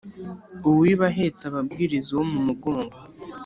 Uwiba ahetse aba abwiriza uwo mu mugongo.